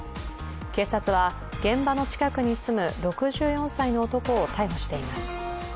警察は現場の近くに住む６４歳の男を逮捕しています。